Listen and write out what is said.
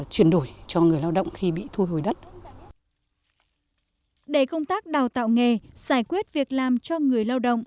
để công tác đào tạo nghề giải quyết việc làm cho người lao động